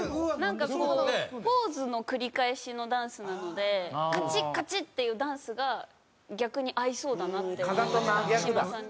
なんかこうポーズの繰り返しのダンスなのでカチッカチッていうダンスが逆に合いそうだなって三島さんに。